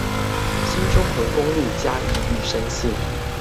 新中橫公路嘉義玉山線